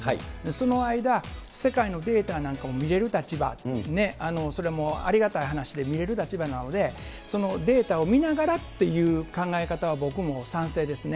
その間、世界のデータなんかも見れる立場、それもありがたい話で見れる立場なので、そのデータを見ながらっていう考え方は僕も賛成ですね。